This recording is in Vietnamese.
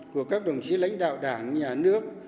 của các đồng chí lãnh đạo đảng nhà nước